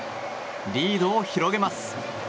リードを広げます。